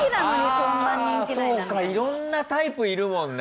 そうかいろんなタイプいるもんね。